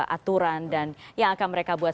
aturan dan yang akan mereka buat